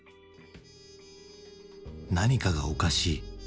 何かがおかしい。